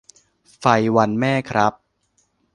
ไฟวันแม่ครับ